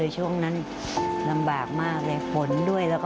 สวัสดีค่ะสวัสดีค่ะ